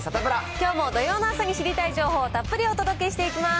きょうも土曜の朝に知りたい情報をたっぷりお届けしていきます。